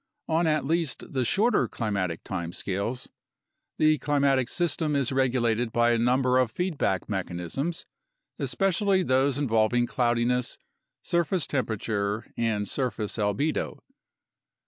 On at least the shorter climatic time scales, the climatic system is regulated by a number of feedback mechanisms, especially those involving cloudiness, surface temperature, and surface albedo.